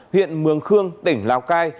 huyện mường khương tỉnh lào cai